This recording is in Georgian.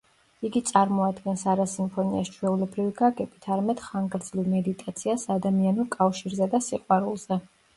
იგი წარმოადგენს არა სიმფონიას ჩვეულებრივი გაგებით, არამედ ხანგრძლივ მედიტაციას ადამიანურ კავშირზე და სიყვარულზე.